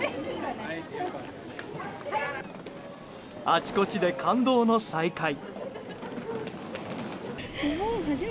あちこちで感動の再会。